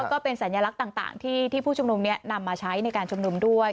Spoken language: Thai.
ก็เป็นสัญลักษณ์ต่างที่ผู้ชุมนุมนำมาใช้ในการชุมนุมด้วย